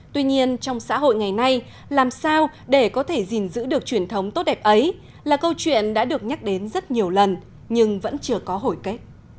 tuy nhiên trong xã hội ngày nay làm sao để có thể gìn giữ được truyền thống tốt đẹp ấy là câu chuyện đã được nhắc đến rất nhiều lần nhưng vẫn chưa có hồi kết